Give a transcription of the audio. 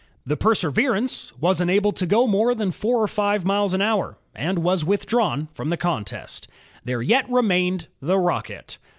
The Perseverance was unable to go more than four or five miles an hour, and was withdrawn from the contest. There yet re mained the Rocket.